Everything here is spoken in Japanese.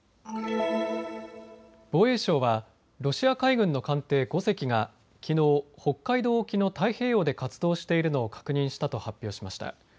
防衛省はロシア海軍の艦艇５隻がきのう北海道沖の太平洋で活動しているのを確認したと発表しました。